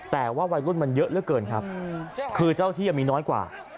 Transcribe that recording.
แต่ว่าวัยรุ่นมันเยอะเหลือเกินครับคือเจ้าที่มีน้อยกว่า